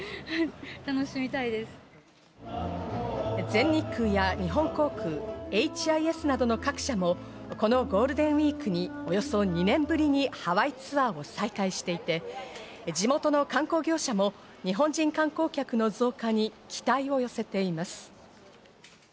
全日空や日本航空、ＨＩＳなどの各社も、このゴールデンウイークにおよそ２年ぶりにハワイツアーを再開していて、地元の観光業者も日本人観光客の増加に期待を寄せています。